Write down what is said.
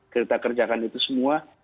kita kerjakan itu semua